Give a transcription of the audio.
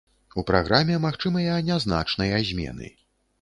У праграме магчымыя нязначныя змены.